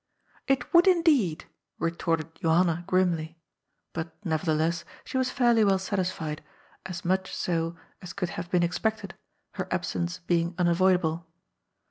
"It would indeed," retorted Johanna grimly. But, nevertheless, she was fairly well satisfied, as much so as could have been expected, her absence being unavoidable.